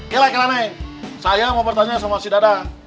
kila kila nih saya mau bertanya sama si dadang